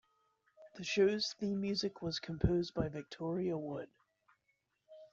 The show's theme music was composed by Victoria Wood.